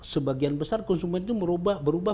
sebagian besar konsumen itu berubah